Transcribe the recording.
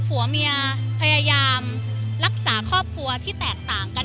ผัวเมียพยายามรักษาครอบครัวที่แตกต่างกัน